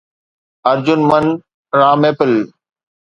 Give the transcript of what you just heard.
ارجن من را ميپل